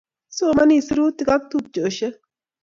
Kisomani serutik ak tupcheshek